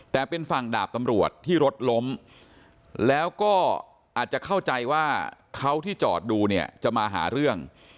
แต่เป็นฝั่งดาบตำรวจที่รถล้มแล้วก็อาจจะเข้าใจว่าเขาที่จอดดูเนี่ยจะมาหาเรื่อง